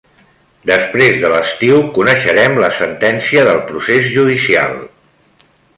Després de l'estiu coneixerem la sentència del procés judicial